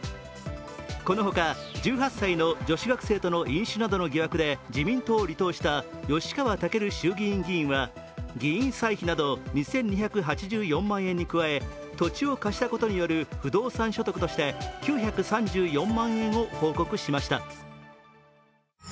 この他、１８歳の女子学生との飲酒などの疑惑で自民党を離党した吉川赳衆院議員は議員歳費など２２８４万円に加え土地を貸したことによる不動産所得として９３４万円を報告しました。